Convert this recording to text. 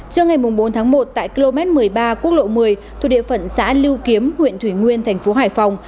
trước ngày bốn tháng một tại km một mươi ba quốc lộ một mươi thuộc địa phận xã lưu kiếm huyện thủy nguyên thành phố hải phòng